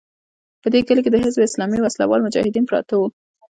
په دې کلي کې د حزب اسلامي وسله وال مجاهدین پراته وو.